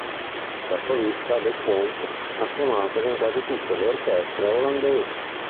Da solista, de Quant ha suonato con quasi tutte le orchestre olandesi.